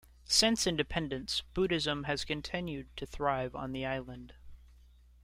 Since independence, Buddhism has continued to thrive on the island.